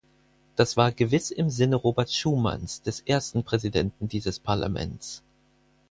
Das war gewiss im Sinne Robert Schumans, des ersten Präsidenten dieses Parlaments.